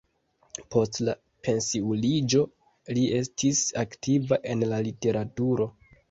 Post la pensiuliĝo li estis aktiva en la literaturo.